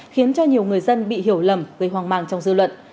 khiến cho nhiều người dân bị hiểu lầm gây hoang mang trong dư luận